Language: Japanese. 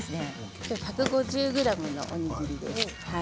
今日は１５０ｇのおにぎりです。